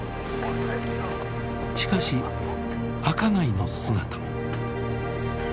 しかし赤貝の姿も。